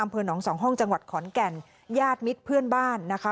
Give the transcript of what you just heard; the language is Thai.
อำเภอหนองสองห้องจังหวัดขอนแก่นญาติมิตรเพื่อนบ้านนะคะ